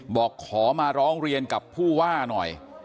บอกขอมาร้องเรียนกับผู้ว่าหน่อย